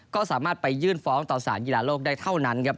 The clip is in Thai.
ก็สามารถไปยื่นฟ้องต่อสารกีฬาโลกได้เท่านั้นครับ